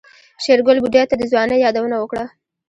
شېرګل بوډۍ ته د ځوانۍ يادونه وکړه.